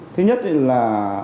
thứ nhất là